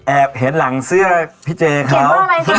เห็นหลังเสื้อพี่เจเขา